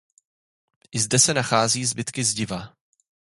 I zde se nacházejí zbytky zdiva.